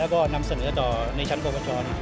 แล้วก็นำเสนอต่อในชั้นปวช